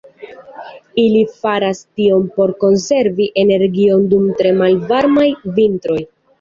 Ili faras tion por konservi energion dum tre malvarmaj vintroj.